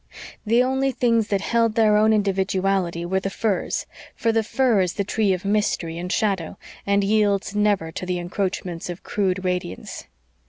The only things that held their own individuality were the firs for the fir is the tree of mystery and shadow, and yields never to the encroachments of crude radiance.